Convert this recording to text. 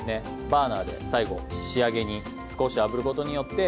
バーナーで最後仕上げに少し、あぶることによって。